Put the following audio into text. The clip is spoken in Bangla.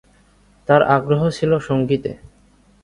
তার আগ্রহ ছিল সঙ্গীতে।